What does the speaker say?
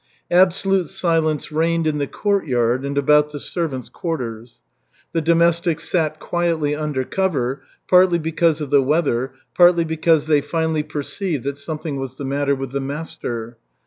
Absolute silence reigned in the court yard and about the servants' quarters. The domestics sat quietly under cover, partly because of the weather, partly because they finally perceived that something was the matter with the master.